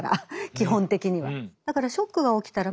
基本的には。